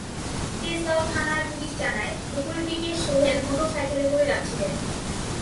তেজগাঁও থানার পুলিশ জানায়, দুপুরের দিকে সোহেল মোটরসাইকেলে করে যাচ্ছিলেন।